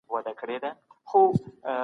د وګړو ترمنځ سياسي اړيکي ډېري پېچلې دي.